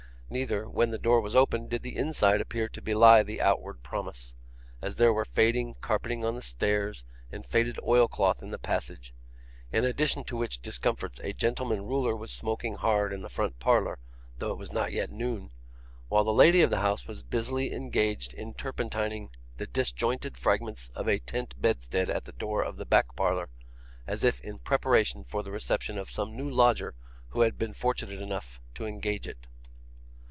Neither, when the door was opened, did the inside appear to belie the outward promise, as there was faded carpeting on the stairs and faded oil cloth in the passage; in addition to which discomforts a gentleman Ruler was smoking hard in the front parlour (though it was not yet noon), while the lady of the house was busily engaged in turpentining the disjointed fragments of a tent bedstead at the door of the back parlour, as if in preparation for the reception of some new lodger who had been fortunate enough to engage it.